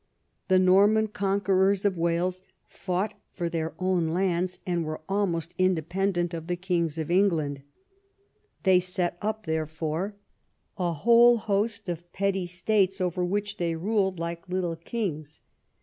The Norman conquerors of Wales fought for their own hands and were almost independent of the kings of England. They set up therefore a C 18 EDWARD I CHAP. whole host of petty states, over which they ruled like little kings.